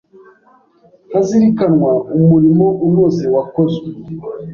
hazirikanwa umurimo unoze wakozwe